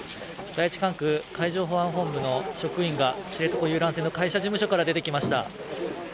第一管区海上保安本部の職員が知床遊覧船の会社事務所から出てきました。